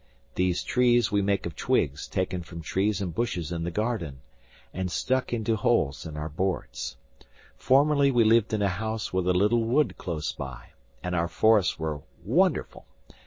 These trees we make of twigs taken from trees and bushes in the garden, and stuck into holes in our boards. Formerly we lived in a house with a little wood close by, and our forests were wonderful.